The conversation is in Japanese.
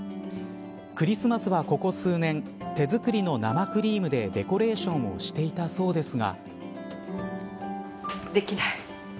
クリスマスはここ数年手作りの生クリームでデコレーションをしていたそうですが。